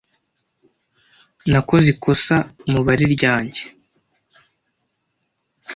Nakoze ikosa mubare ryanjye.